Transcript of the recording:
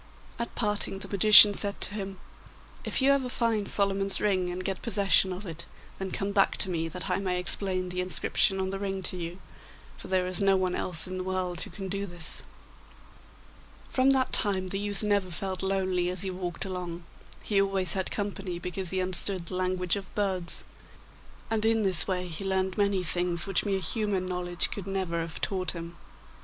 At parting the magician said to him. 'If you ever find Solomon's ring and get possession of it, then come back to me, that I may explain the inscription on the ring to you, for there is no one else in the world who can do this.' From that time the youth never felt lonely as he walked along; he always had company, because he understood the language of birds; and in this way he learned many things which mere human knowledge could never have taught him.